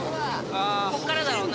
こっからだろうな。